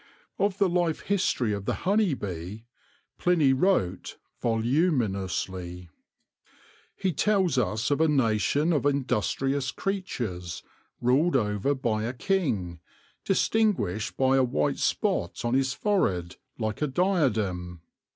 On the life history of the honey bee Pliny wrote voluminously. He tells us of a nation of industrious creatures ruled over by a king, distinguished by a white spot on his forehead like a diadem.